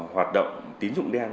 hoạt động tín dụng đen